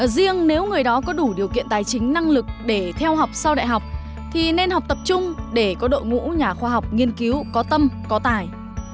riêng nếu người đó có đủ điều kiện tài chính năng lực để theo học sau đại học thì nên học tập trung để có đội ngũ nhà khoa học nghiên cứu có tâm có tài